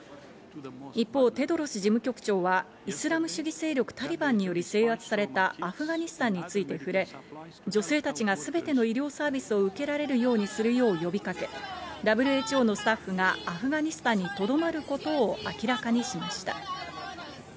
一方、テドロス事務局長はイスラム主義勢力・タリバンにより制圧されたアフガニスタンについて触れ、女性たちがすべての医療サービスを受けられるようにするよう呼びかけ、ＷＨＯのスタッフがアフガニスタンにとどまることを明らかにしました。